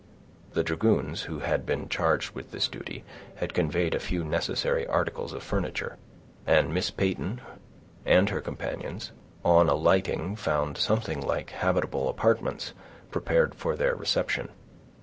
The dragoons, who had been charged with this duty, had conveyed a few necessary articles of furniture, and Miss Peyton and her companions, on alighting, found something like habitable apartments prepared for their reception.